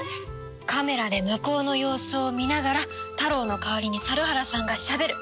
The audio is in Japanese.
カメラで向こうの様子を見ながらタロウの代わりに猿原さんがしゃべる